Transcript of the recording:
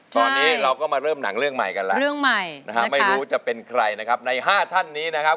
ตอนนี้เราก็มาเริ่มหนังเรื่องใหม่กันแล้วเรื่องใหม่นะฮะไม่รู้จะเป็นใครนะครับใน๕ท่านนี้นะครับ